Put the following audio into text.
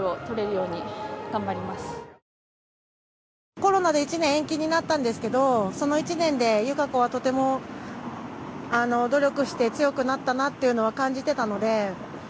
コロナで１年延期になったんですけどその１年で友香子はとても努力して強くなったなっていうのは感じていたので。